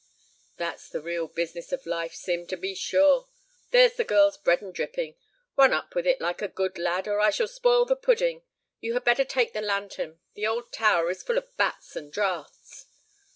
"That's the real business of life, Sim, to be sure. There's the girl's bread and dripping. Run up with it like a good lad, or I shall spoil the pudding. You had better take the lantern; the old tower is full of bats and draughts."